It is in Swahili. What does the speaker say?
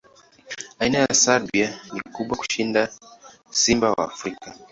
Aina ya Siberia ni kubwa kushinda simba wa Afrika.